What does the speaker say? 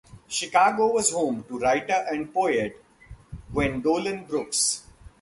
Chicago was home to writer and poet, Gwendolyn Brooks.